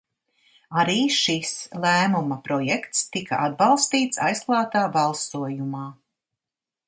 Arī šis lēmuma projekts tika atbalstīts aizklātā balsojumā.